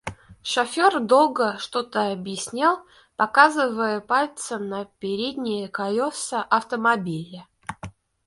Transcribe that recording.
Шофёр долго что-то объяснял, показывая пальцем на передние колёса автомобиля.